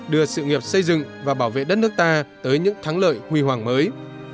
đưa sự nghiệp xây dựng và bảo vệ đất nước ta tới những thắng lợi huy hoàng mới